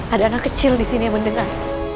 ada anak kecil disini yang mendengar